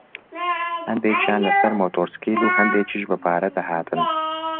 هەندێکیان لەسەر مۆتۆرسکیل و هەندێکیش بەپێ دەهاتن